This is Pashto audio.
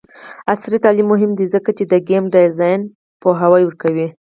عصري تعلیم مهم دی ځکه چې د ګیم ډیزاین پوهاوی ورکوي.